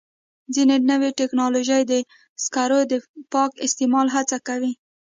ځینې نوې ټکنالوژۍ د سکرو د پاک استعمال هڅه کوي.